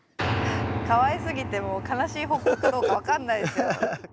かわいすぎてもう悲しい報告かどうか分かんないですよ。